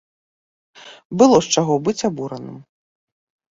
Было з чаго быць абураным.